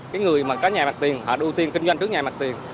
cái người mà có nhà mặt tiền họ ưu tiên kinh doanh trước nhà mặt tiền